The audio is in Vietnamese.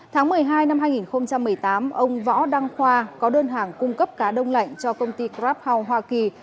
tháng một mươi hai năm hai nghìn một mươi tám ông võ đăng khoa có đơn hàng cung cấp cá đông lạnh cho công ty grab house hoa kỳ